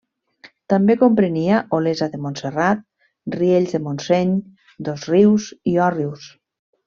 També comprenia Olesa de Montserrat, Riells de Montseny, Dosrius i Òrrius.